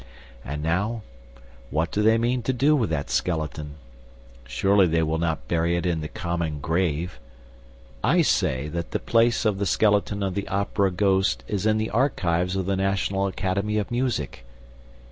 And, now, what do they mean to do with that skeleton? Surely they will not bury it in the common grave! ... I say that the place of the skeleton of the Opera ghost is in the archives of the National Academy of Music.